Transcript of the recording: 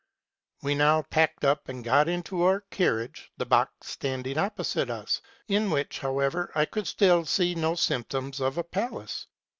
" We now packed up, and got into our carriage, the box standing opposite us ; in which, however, I could still see no symptoms of a palace.